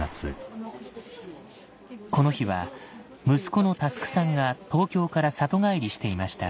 この日は息子の佑さんが東京から里帰りしていました